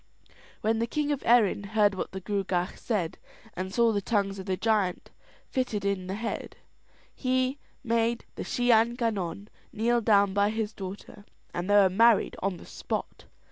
When the king of Erin heard what the Gruagach said, and saw the tongues of the giant fitted in the head, he made the Shee an Gannon kneel down by his daughter, and they were married on the spot.